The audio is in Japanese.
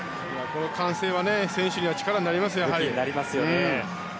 この歓声は選手には力になりますよ。